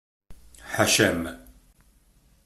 Ḥaca-m!